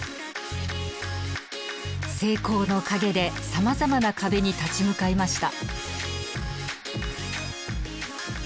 成功の陰でさまざまな壁に立ち向かいました。